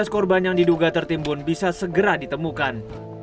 tiga belas korban yang diduga tertimbun bisa segera ditemukan